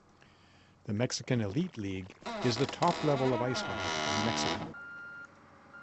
The Mexican Elite League is the top level of ice hockey in Mexico.